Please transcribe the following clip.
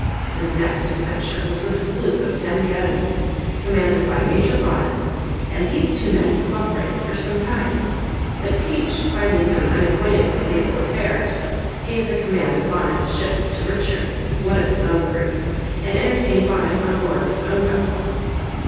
His next adventure was with a sloop of ten guns, commanded by Major Bonnet, and these two men co operated for some time: but Teach finding him unacquainted with naval affairs, gave the command of Bonnet's ship to Richards, one of his own crew, and entertained Bonnet on board his own vessel.